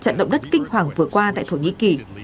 trận động đất kinh hoàng vừa qua tại thổ nhĩ kỳ